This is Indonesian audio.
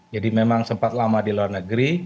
jadi memang sempat lama di luar negeri